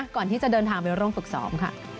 ก่อนที่จะเดินทางไปร่วมฝึกซ้อมค่ะ